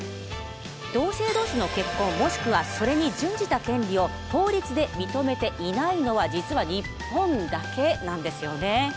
同性同士の結婚もしくはそれに準じた権利を法律で認めていないのは実は日本だけなんですよね。